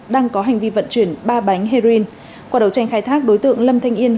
đang có hành vi vận chuyển ba bánh heroin quả đầu tranh khai thác đối tượng lâm thành yên